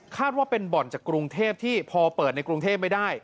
ว่าเป็นบ่อนจากกรุงเทพที่พอเปิดในกรุงเทพไม่ได้